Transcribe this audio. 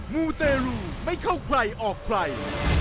มูเตรลูไม่เข้าใครออกใคร